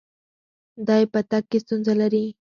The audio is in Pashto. دی په تګ کې ستونزه لري.